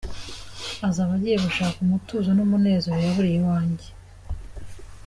Azaba agiye gushaka umutuzo n’umunezero yaburiye iwanjye.